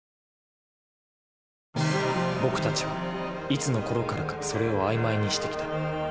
僕たちはいつのころからか「それ」を曖昧にしてきた。